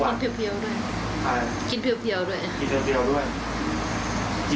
นี้ทุกวันเที่ยวเที่ยวด้วย